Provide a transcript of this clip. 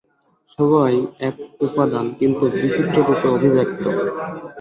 সবই এক উপাদান, কিন্তু বিচিত্ররূপে অভিব্যক্ত।